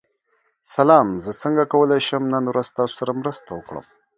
سلام، زه څنګه کولی شم نن ورځ ستاسو سره مرسته وکړم؟